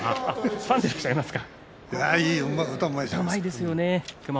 ファンでいらっしゃいますか？